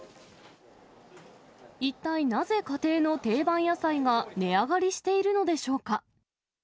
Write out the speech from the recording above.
一体なぜ家庭の定番野菜が値上がりしているのでしょうか。